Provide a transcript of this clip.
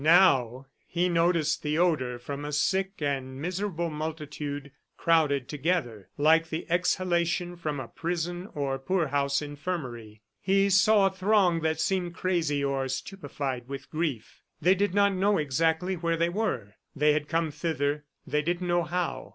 Now he noticed the odor from a sick and miserable multitude crowded together like the exhalation from a prison or poorhouse infirmary. He saw a throng that seemed crazy or stupefied with grief. They did not know exactly where they were; they had come thither, they didn't know how.